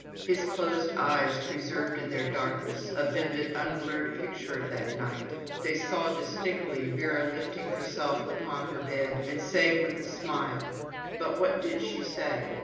His closed eyes preserved in their darkness a vivid, unblurred picture of that night; they saw distinctly Vera lifting herself upon her bed and saying with a smile—— But what did she say?